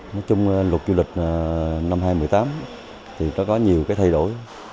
nói chung luật du lịch năm hai nghìn một mươi tám thì nó có nhiều cái thay đổi